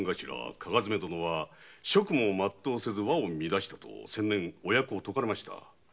加賀爪殿は職務を全うせず和を乱したと先年お役を解かれました。